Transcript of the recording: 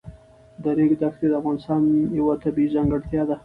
د ریګ دښتې د افغانستان یوه طبیعي ځانګړتیا ده.